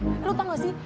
eh lo tau nggak sih